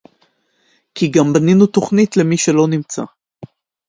כי גם בנינו תוכנית למי שלא נמצא